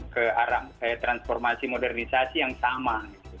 ke arah transformasi modernisasi yang sama